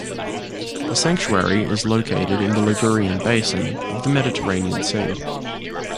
The sanctuary is located in the Ligurian basin of the Mediterranean Sea.